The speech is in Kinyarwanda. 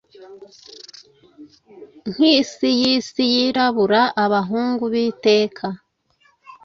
nkisi yisi yirabura abahungu b'iteka,